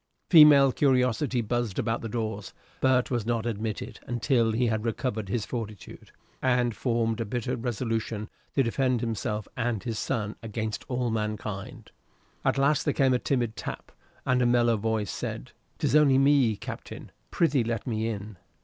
Female curiosity buzzed about the doors, but was not admitted until he had recovered his fortitude, and formed a bitter resolution to defend himself and his son against all mankind. At last there came a timid tap, and a mellow voice said, "It is only me, Captain. Prithee let me in."